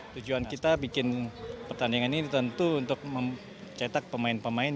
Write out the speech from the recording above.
tujuan kita bikin pertandingan ini tentu untuk mencetak pemain pemain